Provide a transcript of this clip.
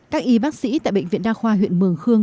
các y bác sĩ tại bệnh viện đa khoa huyện mường khương